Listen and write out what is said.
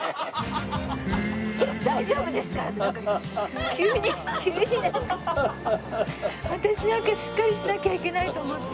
「大丈夫ですから！」ってなんか急に急にね私なんかしっかりしなきゃいけないと思って。